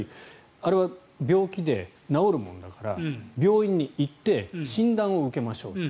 あれは病気で治るものだから、病院に行って診断を受けましょうと。